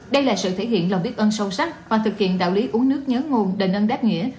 đây là sự thể hiện lòng biết ơn sâu sắc và thực hiện đạo lý uống nước nhớ nguồn đền ơn đáp nghĩa